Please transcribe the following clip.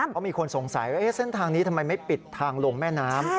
เพราะมีคนสงสัยว่าเส้นทางนี้ทำไมไม่ปิดทางลงแม่น้ำ